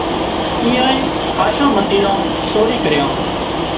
اينئائي کاشان متيران سوري ڪريان